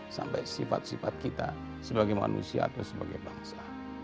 sampai sifat sifat kita sebagai manusia atau sebagai bangsa